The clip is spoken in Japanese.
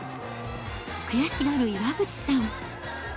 悔しがる岩渕さん。